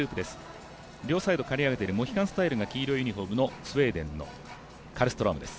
両サイド刈り上げているモヒカンスタイルが黄色いユニフォームのスウェーデンのカルストロームです。